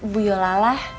bu yola lah